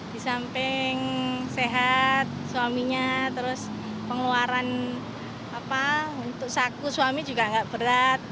di samping sehat suaminya terus pengeluaran untuk saku suami juga nggak berat